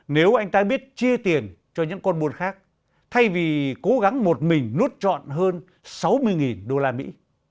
nếu anh ta biết chia tiền cho những con buồn khác thay vì cố gắng một mình nuốt trọn hơn sáu mươi nghìn đô la mỹ